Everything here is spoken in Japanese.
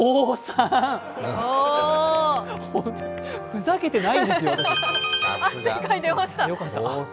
ふざけてないんですよ、私。